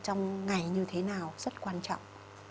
trong ngày như thế nào rất quan trọng